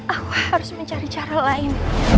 aku harus mencari cara lain